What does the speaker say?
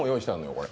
これ。